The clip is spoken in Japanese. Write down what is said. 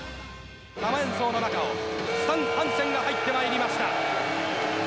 生演奏の中をスタン・ハンセンが入ってまいりました。